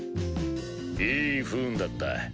いい不運だった。